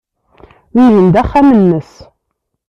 Wihin d axxam-nnes.